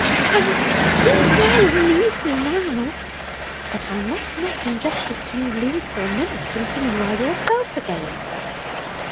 "And do go and leave me now!" "But I must not, in justice to you, leave for a minute, until you are yourself again."